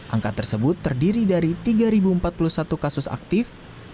angka tersebut terdiri dari tiga empat puluh satu kasus aktif